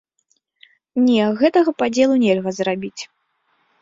Не, гэтага падзелу нельга зрабіць.